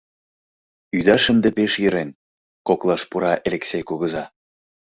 — Ӱдаш ынде пеш йӧрен, — коклаш пура Элексей кугыза.